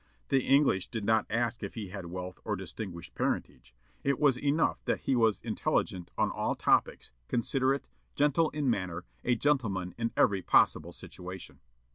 The English did not ask if he had wealth or distinguished parentage; it was enough that he was intelligent on all topics, considerate, gentle in manner, a gentleman in every possible situation.